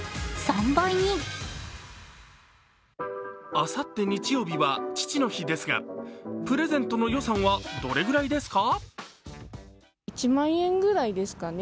あさって日曜日は父の日ですが、プレゼントの予算はどれくらいですか？